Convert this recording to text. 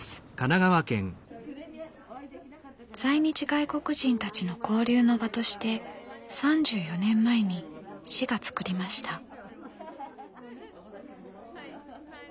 在日外国人たちの交流の場として３４年前に市が作りました。